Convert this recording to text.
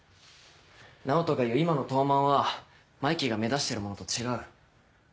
ナオトが言う今の東卍はマイキーが目指してるものと違う。